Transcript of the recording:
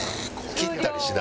切ったりしない。